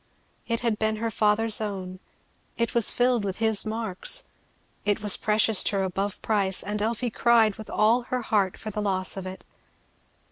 It had been her father's own it was filled with his marks it was precious to her above price and Elfie cried with all her heart for the loss of it.